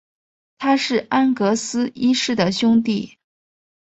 他是安格斯一世的兄弟。